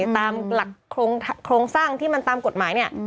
ตามหลักโครงสร้างที่มันตามกฎหมายเนี่ย